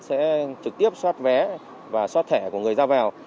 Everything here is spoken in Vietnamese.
sẽ trực tiếp xoát vé và xoát thẻ của người ra vào